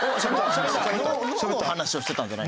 脳の話をしてたんじゃない？